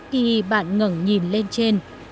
khi bạn ngẩn nhìn lên trên